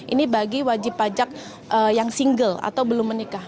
ini bagi wajib pajak yang single atau belum menikah